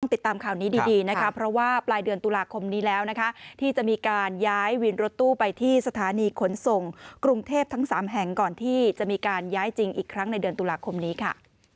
ติดตามข่าวนี้ดีนะคะเพราะว่าปลายเดือนตุลาคมนี้แล้วนะคะที่จะมีการย้ายวินรถตู้ไปที่สถานีขนส่งกรุงเทพทั้ง๓แห่งก่อนที่จะมีการย้ายจริงอีกครั้งในเดือนตุลาคมนี้ค่ะ